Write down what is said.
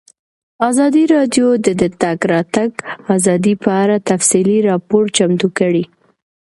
ازادي راډیو د د تګ راتګ ازادي په اړه تفصیلي راپور چمتو کړی.